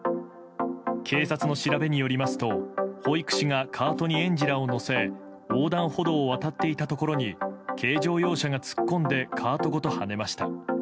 警察の調べによりますと保育士がカートに園児らを乗せ横断歩道を渡っていたところに軽乗用車が突っ込んでカートごとはねました。